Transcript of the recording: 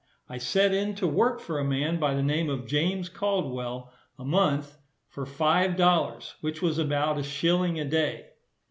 I set in to work for a man by the name of James Caldwell, a month, for five dollars, which was about a shilling a day.